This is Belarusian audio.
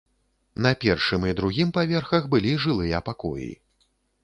На першым і другім паверхах былі жылыя пакоі.